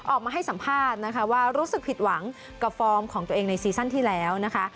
ออกมาให้สัมภาษณ์นะคะว่ารู้สึกผิดหวังกับฟอร์มของตัวเองในซีซั่นที่แล้วนะคะ